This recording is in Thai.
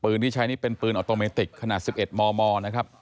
ที่ใช้นี่เป็นปืนออโตเมติกขนาด๑๑มมนะครับ